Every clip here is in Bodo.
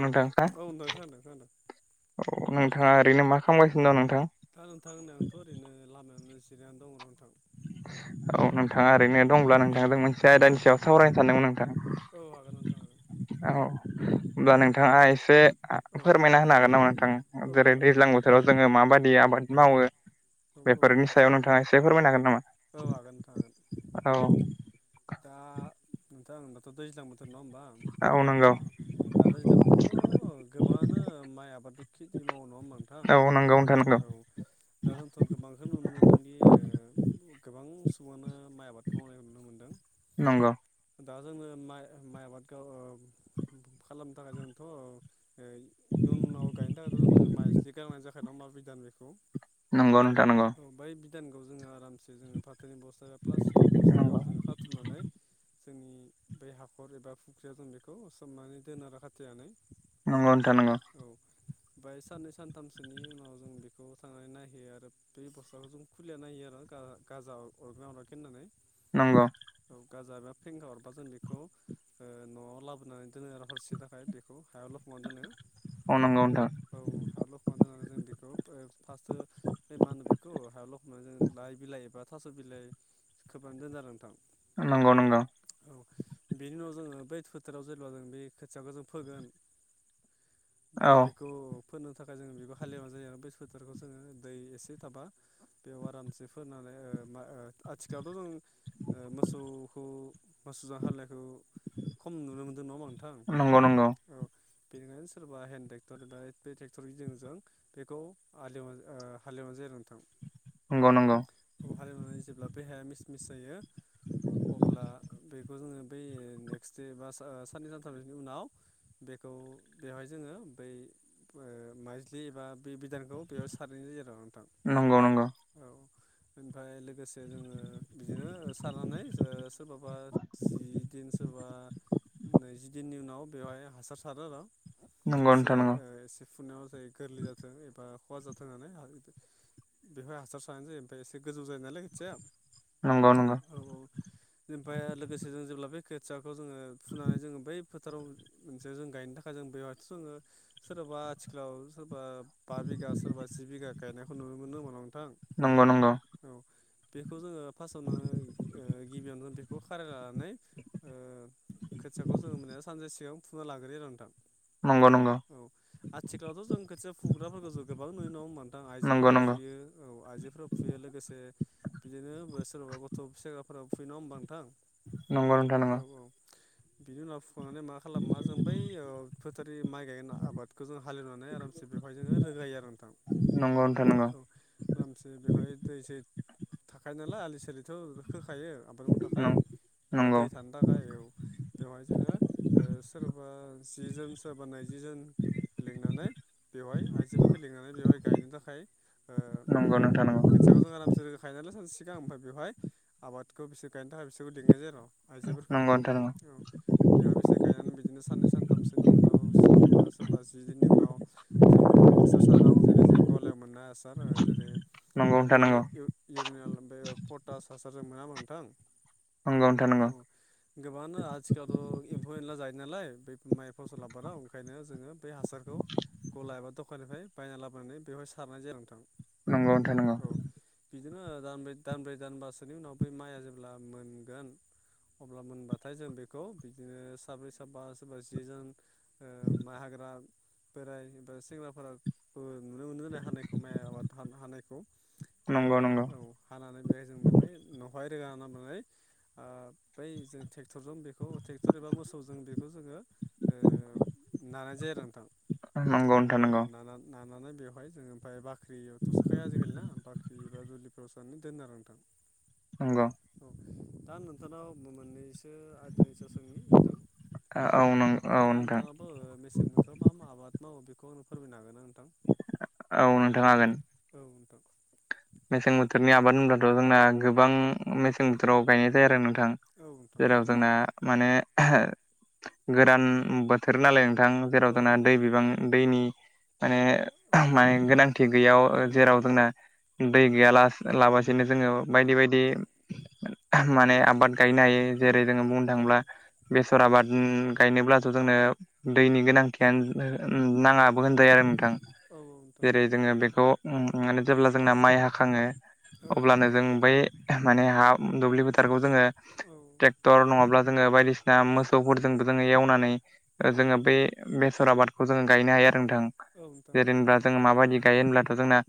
नोंथां सार औनो खानो खानो औ नोंथाङा ओरैनो मा खालामगासिनो दं नोंथां थांोंथां होनै आंथ' ओरैनो लामायावनो जिरायनानै दं र' नोंथां औ नोंथाङा ओरैनो दंब्ला औ नोंथां मोनसे आयदानि सायाव सावरायनो सानदोंमोन नोंथाङा औ हागोन नोंथां हागोन औ होनोमब्ला नोंथाङा एसे औ फोरमायना होनो हागोन नामा नोंथां औ जेरै हागोन दैज्लां बोथोराव जोङो माबाददि आबाद मावो औ औ बेफोरनि नोंथां सायाव नोंथाङा एसे फोरमायनो हागोन नामा औ हागोनथ हागोन औ दा नोंथां दाथ'' दैज्लां बोथोर नङा होमबा गावनो गाव औ दा दैज्लां आवथ' गोबानो माइ आबादथ' खेथि मावो नङा होनबा नोंथां औ नांगौ नोंथां नांगौ औ दा जोंथ' गोबांखौ नुनो मोन्दोंदि गोबां सुबुङानो माइ आबाद मावनायखौ नुनो मोनदों नंगौ दा जोङो माइ माइ आबादखौ खालामनो थाखाय जोंथ' इयनाव गायनो थाखायथ' जोंनो माइज्लि गारनाय जाखाय ना माब बिदान बेखौ नोंगौ ना नांगौ औ बै बिधानखौ जोङो आरामसे जोङो फाथोनि बस्थथाया बा प्लास्टिकनि बस्थायाव जोङो खाथुमनानै जोंनि बै हाखर एबा फुख्रिया जों बेखौ सबनानै दोन आरो खाथिनानै नंगौथा नंगौ औ ओमफ्राय साननै सानथामसोनि उनाव जों बेखौ थांनानै नायहैयो आरो बे बस्थाखौ जों खुलि होयो आरो गाजा अरगना अरगोन होननानै नंगौ औ गाजा एबा फेंगा हरबा जों बेखौ न'आव लाबोनानै दोनो हरसे थाखाय बेखौ हायाव लखमना दोनो अ नंगौ नोंथां। औ हा लखान दोननानै जों बेखौ ओ फार्स्टो बे मा होनो बेखौ हायाव लखबनानै जों लाइ बिलाइ एबा थास' बिलाइ खोबनानै दोनो आरो नोंथां। नंगौ नंगौ। औ बेनि उनाव जोङो बै फोथाराव जेब्ला जों बे खोथियाखौ जों फोगोन [unintelligible] बेखौ फोनो थाखाय जोङो बेबो हालेवनानै जायो आरो बैस फोथोरखौ जोङो दै एसे थाबा बेयाव आरामसे फोननानै ओ मा ओ आथिखालावथ' जों ओ मोसौखौ मोसुजों हालेनायखौ खम नुनो मोनदों नङा होमबा नोंथां। नंगौ नोंथां औ बेनिखायनो सोरबा हेन्द ट्रेक्टर एबा बे ट्रेक्टर गिदिरजों बेखौ ओ हालेव ओ हालेवनाय जायो नोंथां। नंगौ नंगौ। बर' हालेवनानै जेब्ला बे हाया मिसमिस जायो अब्ला बेखौ जोङो बै नेक्स्ट दे बा ओ ओ साननै सानथामनि उनाव बेखौ बेवहाय जोङो बै ओ माइज्लि एबा बे बिधानखौ बेयाव सारहैनाय जायो आरो नोंथां। नंगौ नंगौ। औ ओमफ्राय लोगोसे जोङो बिदिनो ओ सारनानै ओ सोरबा सोरबा जि दिन सोरबा नैजि दिननि उनाव बेवहाय हासार सारो आरो। नंगौ एसे नोंथां नंगौ ओ एसे फुनायाव जायो गोरलै जाथों एबा खहा जाथों होननानै बेवहाय हासार सारनाय जायो। ओमफ्राय एसे गोजौ जायो नालाय खोथिया औ नंगौ नंगौ औ। ओनिफ्राय लोगोसे जों जेब्ला बे खोथियाखौ जोङो फुनानै जोङो बै फोथाराव मोनसे जों गायनो थाखाय जों बेबाथ जोङो सोरबा आथिखालाव सोरबा बा बिगा सोरबा जि बिघा गायनायखौ नुनो मोनो होमबाना नोंथां। नंगौ नंगौ। औ बेखौ जोङो फार्स्टआव ओ गिबियावनो जों बेखौ खाराय लानानै ओ खोथियाखौ जोङो माने सानसे सिगां फुना लाग्रोयो आरो नोंथां। नंगौ नंगौ। औ आथिखालावथ' जों खोथिया फुग्राफोरखौ जों गोबां नुयो नङा होम बा नंगौ आइजोफोरा नंगौ फुयो औ आइजोफोरा फुयो लोगोसे बिदिनो सोरबा गथ' फिसाफोराबो फुयो नङा होमबा नोंथां। नंगौ नोंथां औ औ। बिनि उनाव फुखांनानै मा खालामा जों बै ओ फोथार माइ गायनाय आबादखौ जों हालेवनानै आरामसे बेवहाय जोङो रोगायो आरो नोंथां। नंगौ नोंथा नंगौ। औ आरामसे बेवहाय दैसै थाखायो नालाय आलि सालिथ' खोखायो। थाखाय एबा नंगौ दै थानो थाखाय औ। बेवहाय जोङो ओ सोरबा जि जोन सोरबा नैजि जोन लिंनानै बेवहाय आइजोफोरखो लेंनानै बेवहाय गायनो थाखाय ओ नोंथां नंगौ नं नंगौ नोंथां खोथियाव जों आराम से गायनानैनो सानसे सिगां ओमफ्राय बेवहाय आबादखौ बिसोर गायनो थाखाय बिसोरखौ लिंनाय जायो आर'। आइजोफोरखौ नंगौ औ। बेहा बिसोर गायनानै बिदिनो साननै सानथामसोनि उनाव सानबा सोरबा जि दिननि उनाव जोङो हासार सारो। जेरै जों गलायाव मोननाय हासार ओ जेरै नंगौ नोंथां इउरि इउ इउरिनाल ओमफायो पटास हासारजों मोना होमबा नोंथां नंगौ औ। गोबाङानो आथिखालथ' एम्फौ एनला जायो नालाय बे माइ फसल आबादाव ओंखायनो जोङो बे हासारखौ गला एबा दखाननिफ्राय बायना लाबोनानै बेवहाय सारनाय जायो नोंथां। नंगौ नोंथां नोंगौ। औ बिदिनो दानब्रै दानब्रै दानबासोनि उनाव बै माइआ जेब्ला मोनगोन अब्ला मोनबाथाय जों बेखौ बिदिनो साब्रै साबा सोरबा जि जोन ओ मा हाग्रा बोराइ बा सेंग्राफोराबो नुनो मोनो न हानायखौ माइ आबाद हाना-हानायखौ नंगौ बेवहाय औ नोंथां हानानै बेहाय जों बेवहाय न'हाय रोगा नानै ओ बै जों टेक्टरजों बेखौ ट्रेक्टर एबा मोसौजों बेखौ जोङो ओ नानाय जाया आरो नोंथां नंगौ नंगौ नोंथां नंगौ नोंथां औ नंगौ नाना नानानै बेवहाय जों ओमफाय बाख्रियावथ' सोखाया आजिखालि ना बाख्रि एबा दुलिफोराव सोनानै दोनो आरो नोंथां। नोंग' औ दा नोंथांनाव मोन्नैसो आयदानि सायाव सोंनि नोंथां? औ नों ओ औ दा नोंथां नोंथाङा मेसें बोथोराव मा मा आबाद मावो बेखौ आंनो फोरमायनो हागोन ना नोंथां? औ नोंथां हागोन। औ नोंथां मेसें बोथोरनि आबाद होनब्लाथ' जोंना गोबां मेसें बोथोराव गायनाय जायो आरो नोंथां। औ नोंथां जेराव जोंना माने गोदान बोथोर नालाय नोंथां। जेराव औ जोंना दै बिबां दैनि माने औ माने गोनांथि गैयाव गोनांथि जेराव जोंना दै औ गैयाला लाबासिनो जोङो बायदि बायदि माने आबाद गायनो हायो जेरै जोङो बुंनो औ थाङोब्ला बेसर आबाद गायनोब्लाथ' जोंनो दैनि गोनांथियानो नाङाबो होनजायो आरो नोंथां। औ औ नोंथां जेरै जोङो बेखौ माने जेब्ला जोंना माइ हाखाङो औ अब्लानो जों बै मानोना हा दुब्लि फोथारखौ जोङो औ दर नङाब्ला जोङो बायदिसिना मोसौफोरजोंबो जोङो एवनानै औ जोङो बे बेसर आबादखौ जोङो गायनो हायो आरो नोंथां नोंथां औ जेरैे ओनबा जोङो माबायदि गायो होनब्लाथ' जोंना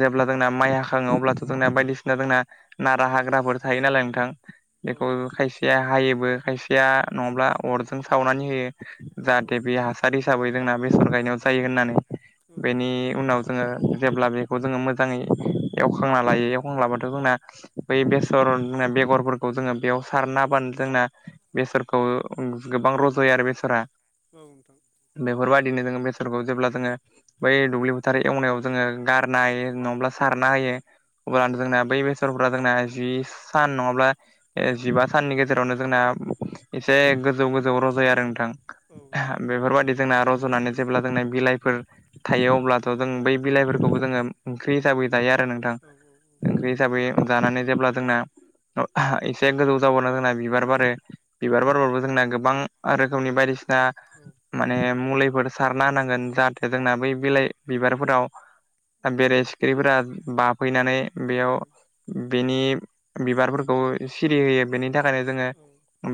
जेब्ला जोंना माइ हाखाङो अब्लाथ' जोंना बायदिसिना जोंना नारा हाग्राफोर थायो नालाय नोंथां औ बेखौ खाय खायसेया हायोबो खायसेया नङाब्ला अरजों सावनानै होयो औ जाहाथे बे हा हासार हिसाबै जोंना बेसर गायनायाव जायो होननानै बेनि नोंथां उनाव जोङो जेब्ला बे बेखौ जोङो मोजाङै एवखांना लायो एवखांलाबाथ' जोंना बै बेसर बेगरफोरखौ जोङो बेयाव सारना होबानो जोंना बेसोरखौ गोबां रज'यो आरो बेसरा औ नोंथां बेफोरबायदिनो जोङो बेसरखौ जेब्ला जोङो बै दुब्लि फोथार एवनायाव जोङो नायो नङाब्ला सारनो होयो अब्ला जोंना नोंथां बै जोंना जि सान नङाब्ला जिबा साननि गेजेरावनो जोंना एसे गोजौ गोजौ रजायो आरो नोंथां औ नोंथां औ औ बेफोरबायदि जोंना रजनानै जेब्ला जोंना बिलाइफोर थायो अब्लाथ' जों बै बिलाइ फोर बेखौबो जोङो ओंख्रि हिसाबै जायो आरो नोंथां औ ओंख्रि हिसाबै जानानै जेब्ला जोंना एसे गोजौ जाबावना जोंना बिबार बारो बिबार बारबाबो जोंना गोबां रोखोमनि बायदिसिना औ नोंथां माने मुलिफोर सारना होनांगोन जाहाथे जोंना बै बिलाइ बिबारफोराव औ औ बेरे सिखिरिफोरा बाफैनानै बेयाव बेनि बिबारफोरखौ सिरि होयो बेनि थाखायनो जोङो औ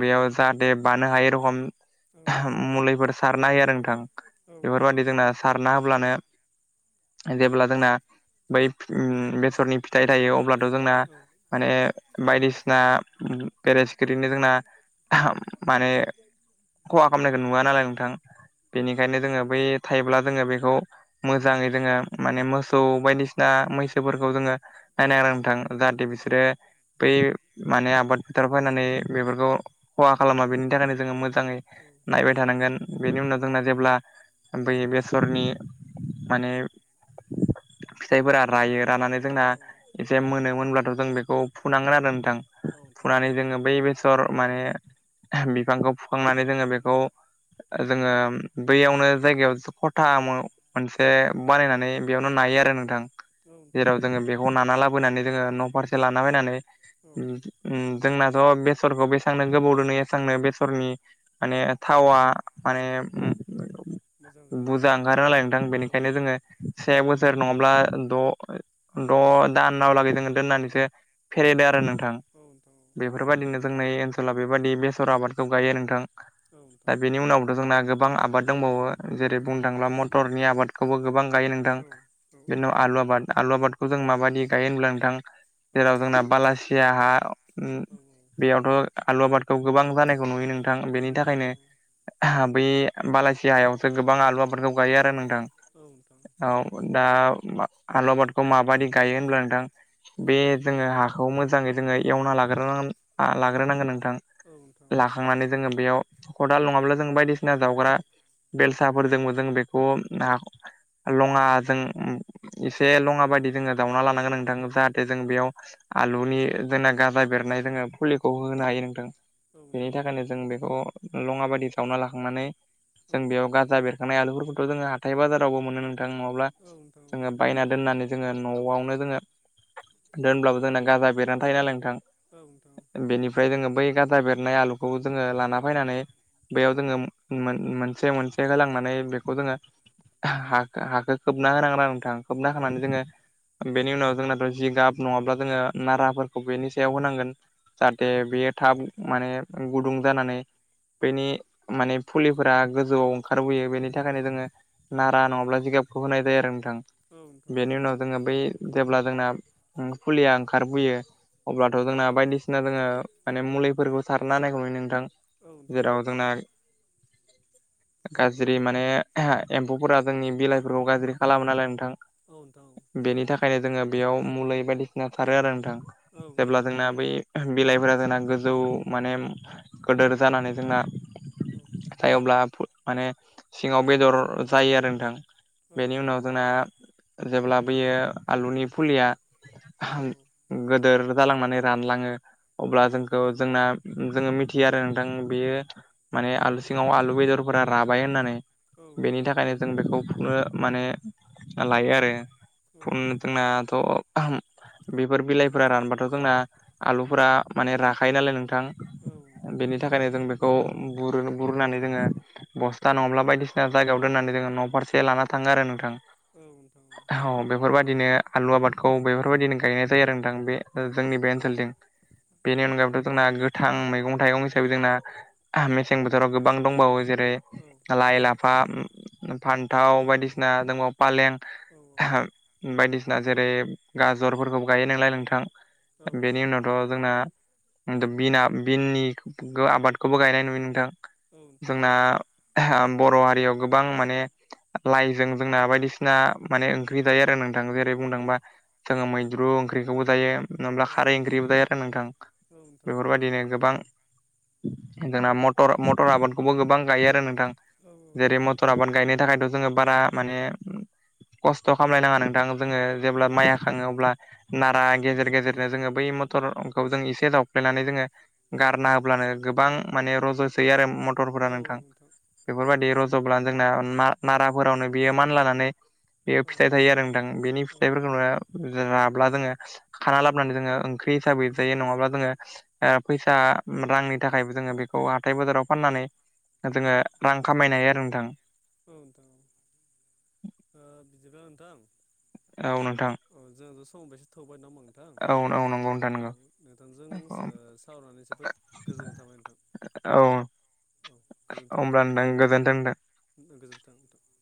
बेयाव जाहाथे बानो हायो रखम मुलिफोर सारनो हायो आरो नोंथां इफोरबायादि जोंना सारना होब्लानो जेब्ला जोंना बै ओ बेसरनि फिथाइ थायो अब्लाथ' जोंना माने बायदिसिना बेरे सिखिरिनो जोंना माने खहा खालामनायखौ नुवा नालाय नोंथां बेनिखायनो जोङो बै थायोब्ला जोङो बेखौ मोजाङै जोङो माने मोसौ बायदिसिना मैसोफोरखौ जोङो नायनोनां नोंथां जाहाथे बिसोरो बै माने आबाद फोथाराव फैनानै बेफोरखौ खहा खालामा बेनि थाखायनो जोङो मोजाङै नायबाय थानांगोन। बेनि उनाव जोंना जेब्ला ओै औ बेसरनि माने औ फिथाइफोरा रायो रनानै जोंना नोंथां एसे मोनोमोनब्लाथ' जों बेखौ फुनांगोन आरो नोंथां औ फुनानै जोङो बै बे माने बिफांखौ फुखांनानै जोङो बेखौ जोङो बैयावनो जायगायाव खथा मोनसे बानायनानै बेयावनो नायो आरो नोंथां नोंथां जेराव जोङो बे नाना लाबोनानै जोङो न'फारसे लाना बैनानै औ जोंनाथ' बेसरखौ बेसांनो गोबाव दोनो एसेबांनो बेसरनि माने थावा माने औ मोजां जायो आरोना बुरजा ओंखारोनालाय नोंथां औ बेनिखायनो जोङो से बोसोर नङाब्ला द ए औ -द' दानावलागै जोङो दोननानैसो औ फेरेदो आरो नोंथां औ बेफोरबायदिनो जोंनि ओनसोलााव बेबायदि बेसर आबादखौ गायो नोंथां। औ दा नोंथां बेनि उनावथ' जोंना गोबां आबाद दंबावो जेरै बुंनो थाङोब्ला मटरनि आबादखौबो गोबां गायो नोंथां औ बिनि उनाव औ आलु आबाद आलु आबादखौ जों माबायदि गायो होनब्ला नोंथां औ जेराव जोंना बालासिया हा नुनो बेयावथ' आलु आबादखौ गोबां जानाय खौ नुयो नोंथां बेनि मोनो थाखायनो नोंथां बै बालासिया हायावसो गोबां आलु आबादफोरखौ गायो आरो नोंथां। औ नोंथां औ दा आलु आबादखौ माबायदि गायो होनब्ला नोंथां औ बे जोङो हाखौ मोजाङै जोङो एवना लाग्रोनांगोन नोंथां औ नोंथां थांनानै जोङो बेयाव खदाल नङाब्ला जों बायदिसिना जावग्रा बेलसाफोरजोंबो जों बेखौ ना लङाजों एसे लङा बायदि जोङो जाउना लानांगोन नोंथां औ औ जाहाथे जों बेयाव आलुनि जोंना गाजा बेरनाय जोङो फुलिखौ होनो हायो नोंथां। बेनि नोंथां थाखायनो जों बेखौ लङाबादि जावना लाखांनानै जों औ बेयाव गाजा बेर थांनाय आलुफोरखौथ' जोङो हाथाय बाजारावबो मोनो नोंथां नङाब्ला औ नोंथां जोङो बायना दोननानै जोङो न'आवनो जोङो दोनब्लाबो जोंना गाजा बेरनानै थायो नालाय नोंथां। औ नोंथां औ बेनिफ्राय जोङो बै गाजा बेरनाय आलुखौ जोङो लाना फैनानै बेयाव जोङो मोनसे मोनसे होलांनानै बेखौ जोङो हाखौ खोबना होनांगोना आरो नोंथां खोबना औ होनानै जोङो बेनि उनाव जोंनाथ' जिगाब नङाब्ला जोङो नाराफोरखौ बेनि सायाव होनांगोन। औ जाहाथे नोंथां औ बेयो थाब माने गुदुं जानानै बेनि माने फुलिफोरा गोजौआव ओंखारबोयो औ बेनि थाखायनो जोङो नारा नङाब्ला जिगाबखौ होनाय जायो आरो नोंथां। औ नोंथां बेनि उनाव जों बै जेब्ला जोंना फुलिया ओंखारबोैयो अब्लाथ' जोंना बायदिसिना जोङो माने मुलिफोरखौ सारना होनानायखौ नुयो नोंथां जेराव जोंना गाज्रि माने एम्फौफोरा जोंनि औ फोरखौ गाज्रि खालामो नालाय नोंथां औ नोंथां औ नोंथां बेनि थाखाय बओंखायनो जोङो बेयाव मुलि बायदिसिना सारो आरो नोंथां। औ जेब्ला जोंना बै बिलाइफोरा जोंना गोजौ माने गोदोर जानानै जोंना औ सायावब्ला माने सिङाव बेदर जायो आरो नोंथां। नोंथां औ बेनि उनाव जोंना जेब्ला बेयो आलुनि फुलिया गोदोर जालांनानै रानलाङो अब्ला जोंखौ जोंना जोङो मिथियो आरो नोंथां बेयो माने आलु सिङाव आलु बेदरफोरा राबाय होननानै नोंथां औ बेनि नोंथां थाखायनो जों बेखौ फुनो माने लायो आरो औ जोंनाथ' बेफोर बिलाइफोरा रानबाथ' जोंना आलुफोरा माने राखायो नालाय नोंथां औ नोंथां औ नोंथां औ नोंथां औ नोंथां औ नोंथां औ नोंथां औ बेनि नि थाखायनो जों बेखौ बुर बुरनानै जोङो बस्था नङाब्ला बायदिसिना जायगायाव दोननानै जोङो न' फारसे लाना थाङो आरो नोंथां औ नोंथां औ औ बेफोरबायदिनो आलु आबादखौ बेफोरबायदिनो गायनाय जायो आरो नोंथां बे जोंनि बे ओनसोलजों बेनि अनगायैबोथ' जोंना थां मैगं थाइगं हिसाबै जोंना मेसें बोथोराव गोबां दंबावो जेरै औ लाइ लाफा फान्थाव बायदिसिना दंबावो फालें बायदिसिना जेरै गाजरफोरखौबो गायो नालाय नोंथां बेनि उनावथ' जोंना बिना बिननि आबादखौबो गायनाय नुयो नोंथां जोंना बर' हारियाव गोबां माने लाइजों जोंना बायदिसिना माने ओंख्रि जायो आरो नोंथां जेरै बुंदोंबा जोङो मैद्रु ओंख्रिखौबो दायो नाबब्ला खारै ओंख्रिबोथाय आरो नोंथां बेफोरबायदिनो गोबां जोंना मटर मटर आबादखौबो गोबां गायो आरो नोंथां जेरै मत थर आबान गायनो थाखायथ' जोङो बारा माने खस्थ' खालामलायनाङा नोंथां जोङो जेब्ला माइ हा खाङोब्ला नारा गेजेर गेजेरनो जोङो बै मथरखौ जों एसे जावफ्लेनानै जोङो गारना होब्लानो गोबां माने रज'सोयो आरो मटरफोरा नोंथां बेफोरबायदि रज'ब्लानो जोंना नाराफोरावनो बियो मानलानानै बेयाव फिथाइ थायो आरो नोंथां बेनि फिथाइफोरखौनो राब्ला जोङो खाना लाबोनानै जोङो ओं ओंख्रि हिसाबै जायो नङाब्ला जोङो फैसा रांनि थाखायबो जोङो बेखौ हाथाय बाजाराव फाननानै जोङो रां खामायनो हायो आरो नोंथां औ नोंथां औ [inaudible] ओ बिदिबा नोंथां औ नोंथां औ जोंहाथ' समाव बेसे थौबाय नामा नोंथां औ औ नंगौ नोंथां औ नंगौ नोंथांजों सावनानै जोबोद गोजोननाय थाबाय नोंथां औ औ अब्ला नोंथां गोजोनथों नोंथां गोजोनथों